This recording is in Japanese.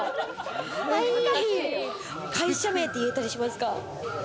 会社名って言えたりしますか？